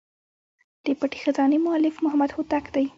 د پټي خزانې مؤلف محمد هوتک دﺉ.